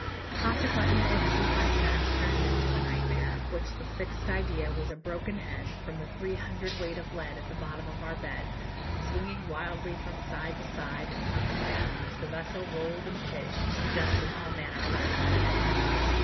Consequently what sleep I snatched turned into a nightmare, of which the fixed idea was a broken head, from the three hundredweight of lead at the bottom of our bed swinging wildly from side to side and up and down, as the vessel rolled and pitched, suggesting all manner of accidents.